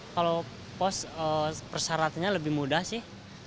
kalau pos persyaratannya lebih mudah sih